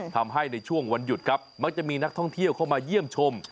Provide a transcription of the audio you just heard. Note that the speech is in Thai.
ในช่วงวันหยุดครับมักจะมีนักท่องเที่ยวเข้ามาเยี่ยมชม